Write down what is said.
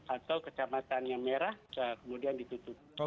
atau kecamatan yang merah kemudian ditutup